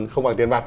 không bằng tiền mặt